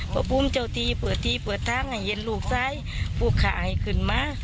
พระภูมิเจ้าที่เปิดทีเปิดทางให้เห็นลูกซ้ายลูกข่ายขึ้นมา